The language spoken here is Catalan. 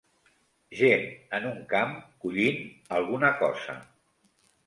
Gent en un camp collint alguna cosa.